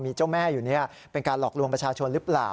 มีเจ้าแม่อยู่นี่เป็นการหลอกลวงประชาชนหรือเปล่า